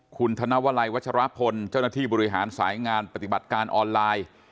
คุณธนวลัยวัชรพลเจ้าหน้าที่บริหารสายงานปฏิบัติการออนไลน์